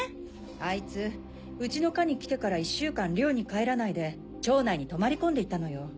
あいつうちの課に来てから１週間寮に帰らないで庁内に泊まり込んでいたのよ。